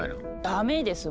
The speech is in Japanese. ダメです！